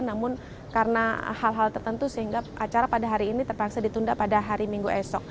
namun karena hal hal tertentu sehingga acara pada hari ini terpaksa ditunda pada hari minggu esok